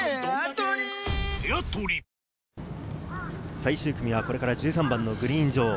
最終組はこれから１３番のグリーン上。